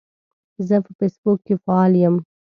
زه په فیسبوک کې فعال یم.